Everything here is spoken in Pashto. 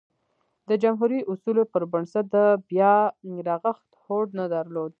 د جمهوري اصولو پربنسټ د بیا رغښت هوډ نه درلود.